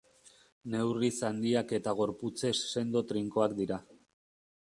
Neurriz handiak eta gorputzez sendo trinkoak dira.